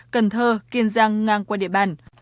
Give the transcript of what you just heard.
cần thơ kiên giang ngang qua địa bàn